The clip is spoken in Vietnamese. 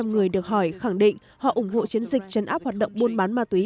năm người được hỏi khẳng định họ ủng hộ chiến dịch chấn áp hoạt động buôn bán ma túy